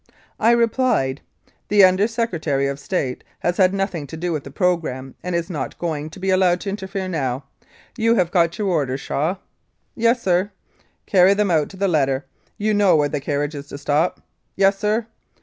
I replied, "The Under Secretary of State has had nothing to do with the programme, and is not going to be allowed to interfere now. You have got your orders, Shaw?" "Yes, sir." "Carry them out to the letter you know where the carriage is to stop?" "Yes, sir."